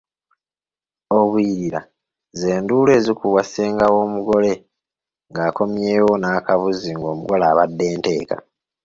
Obuyirira ze nduulu ezikubwa ssenga w’omugole nga akomyewo n’akabuzi ng’omugole abadde nteeka.